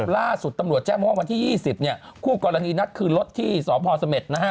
ล่าสุดตำรวจแจ้งว่าวันที่๒๐เนี่ยคู่กรณีนัดคืนรถที่สพเสม็ดนะฮะ